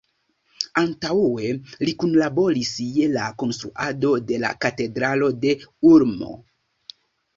Antaŭe li kunlaboris je la konstruado de la katedralo de Ulm.